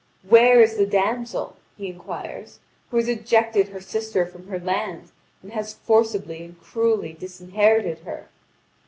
"Where is the damsel," he inquires, "who has ejected her sister from her land, and has forcibly and cruelly disinherited her?"